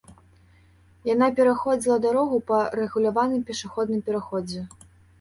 Яна пераходзіла дарогу па рэгуляваным пешаходным пераходзе.